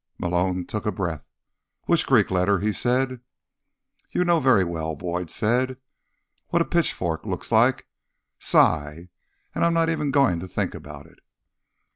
Malone took a breath. "Which Greek letter?" he said. "You know very well," Boyd said. "What a pitchfork looks like. Psi. And I'm not even going to think about it."